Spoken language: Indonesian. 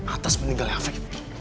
atas meninggalnya afif